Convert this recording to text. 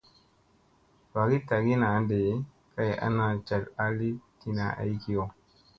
Vaagi tagi naa ɗee kay ana caɗ a li tina ay kiyo.